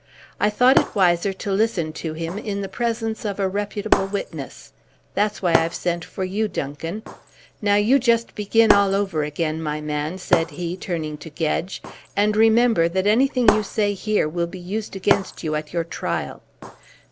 I thought it wiser to listen to him in the presence of a reputable witness. That's why I've sent for you, Duncan. Now you just begin all over again, my man," said he, turning to Gedge, "and remember that anything you say here will be used against you at your trial."